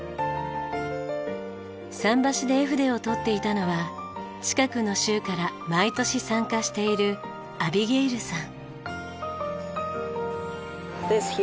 桟橋で絵筆を執っていたのは近くの州から毎年参加しているアビゲイルさん。